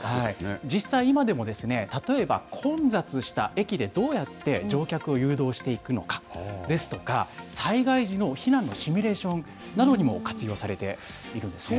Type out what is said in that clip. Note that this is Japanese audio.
実際、今でも、例えば混雑した駅で、どうやって乗客を誘導していくのかですとか、災害時の避難のシミュレーションなどにも活用されているんですね。